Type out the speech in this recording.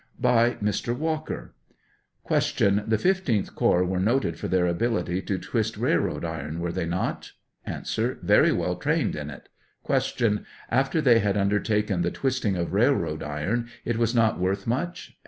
] By Mr. Walker :\ Q. The 15th corps were nqted for their ability to twist railroad iron, were they not? A. Very well trained in it. Q. After they had undertaken the twisting of railroad iron, it was not worth much